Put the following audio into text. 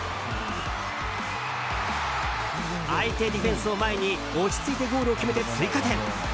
相手ディフェンスを前に落ち着いてゴールを決めて追加点。